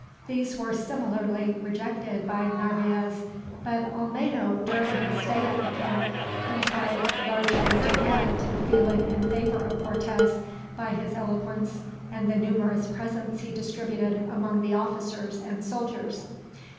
These were similarly rejected by Narvaez; but Olmedo, during his stay at the camp, contrived largely to add to the feeling in favor of Cortez, by his eloquence and the numerous presents he distributed among the officers and soldiers.